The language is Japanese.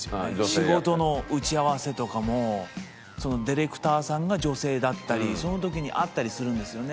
仕事の打ち合わせとかもディレクターさんが女性だったりその時に会ったりするんですよね。